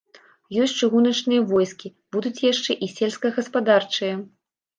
Ёсць чыгуначныя войскі, будуць яшчэ і сельскагаспадарчыя.